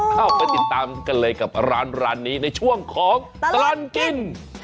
เข้าไปติดตามกันเลยกับร้านนี้ในช่วงของตลอดกิน